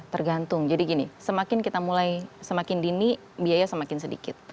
tergantung jadi gini semakin kita mulai semakin dini biaya semakin sedikit